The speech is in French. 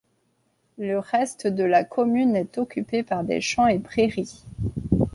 Le reste de la commune est occupée par des champs et prairies.